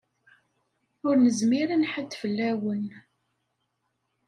Ur nezmir ad nḥadd fell-awen.